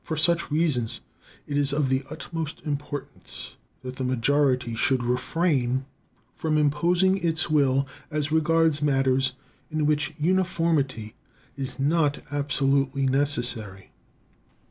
For such reasons, it is of the utmost importance that the majority should refrain from imposing its will as regards matters in which uniformity is not absolutely necessary.